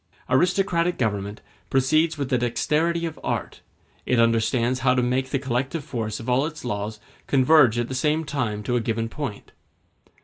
Aristocratic government proceeds with the dexterity of art; it understands how to make the collective force of all its laws converge at the same time to a given point.